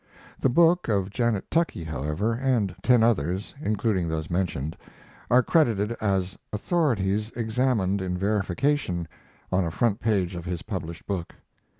[The book of Janet Tuckey, however, and ten others, including those mentioned, are credited as "authorities examined in verification" on a front page of his published book.